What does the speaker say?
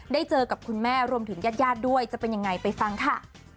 เจอกับคุณแม่รวมถึงญาติด้วยจะเป็นยังไงไปฟังค่ะ